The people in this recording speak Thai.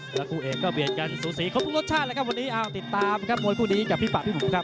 แล้วคู่เอกก็เบียดกันสูสีครบทุกรสชาติแล้วครับวันนี้ติดตามครับมวยคู่นี้กับพี่ปากพี่บุ๋มครับ